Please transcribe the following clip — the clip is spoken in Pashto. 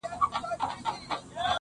له مستیه مي غزل څومره سرشار دی,